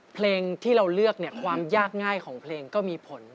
เพลงที่เราเลือกเนี่ยความยากง่ายของเพลงก็มีผล